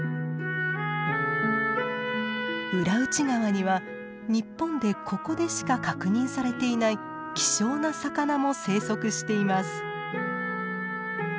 浦内川には日本でここでしか確認されていない希少な魚も生息しています。